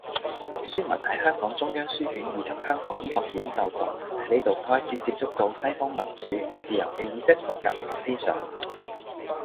孫文喺香港中央書院以及香港醫學院就讀，喺呢度佢開始接觸到西方民主、自由嘅意識同革命思想